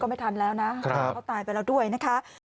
ขอโทษนะครับอารมณ์ไม่อยู่